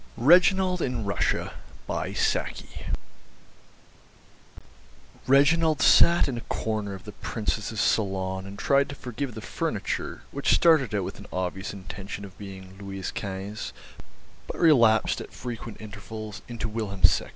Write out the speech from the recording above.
REGINALD IN RUSSIA Reginald sat in a corner of the Princess's salon and tried to forgive the furniture, which started out with an obvious intention of being Louis Quinze, but relapsed at frequent intervals into Wilhelm II.